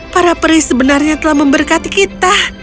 para peri sebenarnya telah memberkati kita